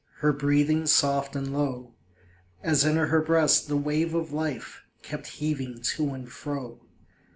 Her breathing soft and low, As in her breast the wave of life Kept heaving to and fro.